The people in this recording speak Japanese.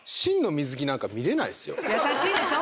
優しいでしょ。